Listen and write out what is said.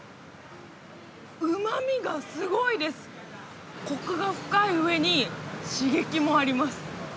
旨味がすごいですコクが深い上に刺激もあります